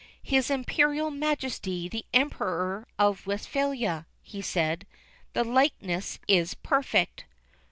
"His Imperial Majesty the Emperor of Westphalia," he said. "The likeness is perfect."